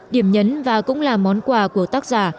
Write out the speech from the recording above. điểm nhấn và cũng là món quà của tác giả